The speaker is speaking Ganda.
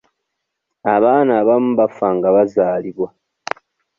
Abaana abamu bafa nga bazaalibwa.